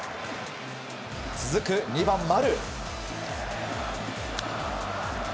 続く２番、丸。